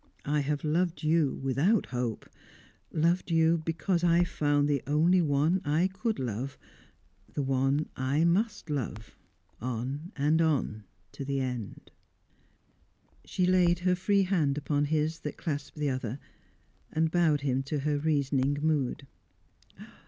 I have loved you without hope; loved you because I had found the only one I could love the one I must love on and on to the end." She laid her free hand upon his that clasped the other, and bowed him to her reasoning mood.